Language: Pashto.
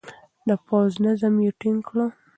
د پوځ نظم يې ټينګ کړ.